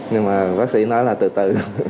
nhưng mà bác sĩ nói là từ từ